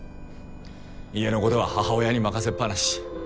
家のことは母親に任せっぱなし。